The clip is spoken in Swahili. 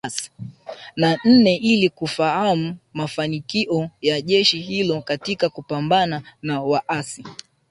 na nne ili kufahamu mafanikio ya jeshi hilo katika kupambana na waasi